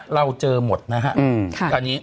เราเจอหมดนะฮะ